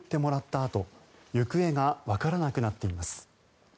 あと行方がわからなくなっています。